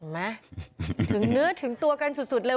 เห็นไหมถึงเนื้อถึงตัวกันสุดเลย